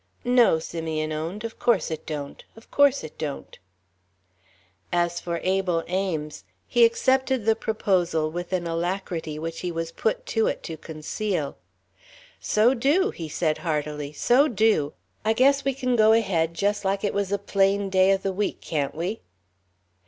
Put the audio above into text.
"No," Simeon owned, "of course it don't. Of course it don't." As for Abel Ames, he accepted the proposal with an alacrity which he was put to it to conceal. "So do," he said heartily, "so do. I guess we can go ahead just like it was a plain day o' the week, can't we?"